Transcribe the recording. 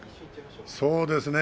そうですね。